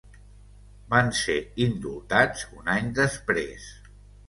Van ser indultats un any després.